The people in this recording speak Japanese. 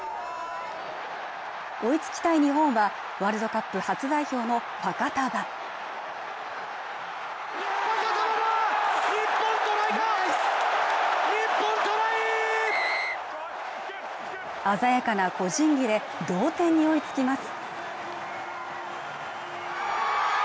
追いつきたい日本はワールドカップ初代表のファカタヴァ鮮やかな個人技で同点に追いつきます